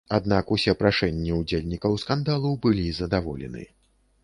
Аднак усе прашэнні ўдзельнікаў скандалу былі задаволены.